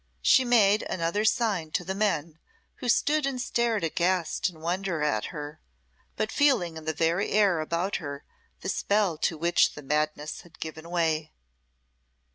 She made another sign to the men who stood and stared aghast in wonder at her, but feeling in the very air about her the spell to which the madness had given way.